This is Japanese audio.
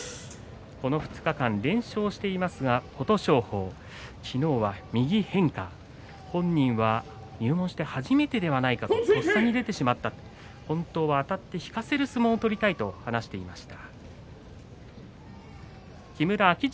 この２日間連勝していますが琴勝峰昨日は右への変化本人は入門して初めてではないかと本当はあたって引かせる相撲を取りたいと話していました。